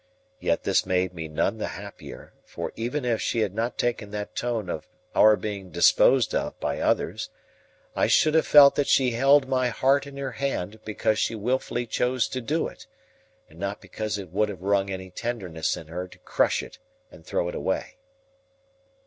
Yet this made me none the happier, for even if she had not taken that tone of our being disposed of by others, I should have felt that she held my heart in her hand because she wilfully chose to do it, and not because it would have wrung any tenderness in her to crush it and throw it away.